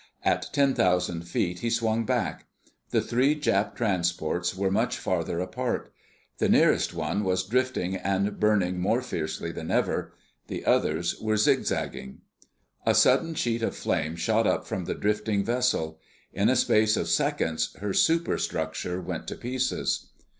At ten thousand feet he swung back. The three Jap transports were much farther apart. The nearest one was drifting and burning more fiercely than ever. The others were zig zagging. A sudden sheet of flame shot up from the drifting vessel. In a space of seconds her superstructure went to pieces.